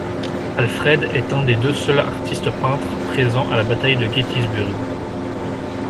Alfred est un des deux seuls artistes peintre présents à la bataille de Gettysburg.